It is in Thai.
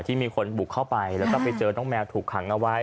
ที่มีคนบุกเข้าไปแล้วก็ไปเจอน้องแมวถูกขังเอาไว้